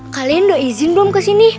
kalian udah izin belum kesini